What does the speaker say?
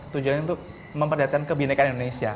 tujuan itu memperlihatkan kebinaikan indonesia